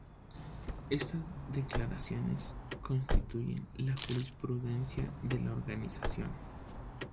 Esta declaraciones constituyen la jurisprudencia de la organización.